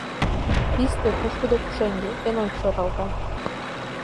Писте — пушкыдо пушеҥге, эн ончыч оралга.